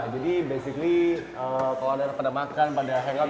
jadi basically kalau anda pada makan pada hangout